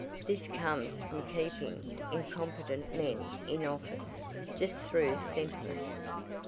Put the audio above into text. This comes from keeping incompetent men in office just through sentiment."